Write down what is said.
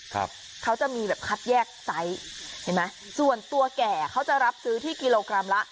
ครับเขาจะมีแบบคัดแยกไซส์เห็นไหมส่วนตัวแก่เขาจะรับซื้อที่กิโลกรัมละ